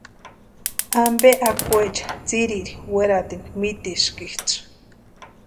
¿Ampe akwaecha tsiriri weratini míteaskitsʼï?